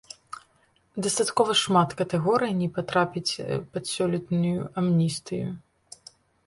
Дастаткова шмат катэгорый не патрапіць пад сёлетнюю амністыю.